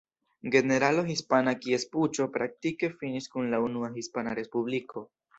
Generalo hispana kies puĉo praktike finis kun la Unua Hispana Respubliko.